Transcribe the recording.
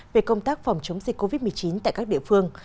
về công tác phòng chống dịch covid một mươi chín tại các địa phương